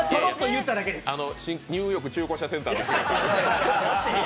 ニューヨーク中古車センターで。